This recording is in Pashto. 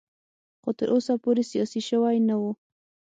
خو تر اوسه پورې سیاسي شوی نه و.